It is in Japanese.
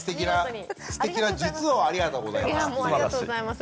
ありがとうございます。